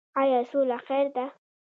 آیا سوله خیر ده؟